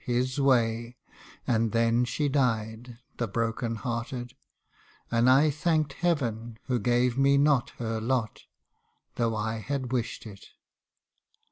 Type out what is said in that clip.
His way and then she died, the broken hearted ; And I thanked heaven, who gave me not her lot, Though I had wished it.